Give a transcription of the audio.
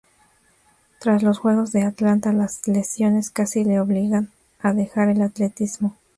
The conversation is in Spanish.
Tras los Juegos de Atlanta las lesiones casi le obligan a dejar el atletismo.